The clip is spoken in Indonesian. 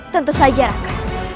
tentu saja raka